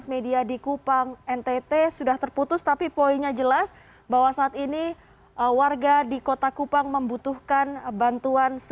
masih belum terangkat